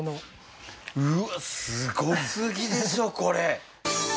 うわっすごすぎでしょこれ！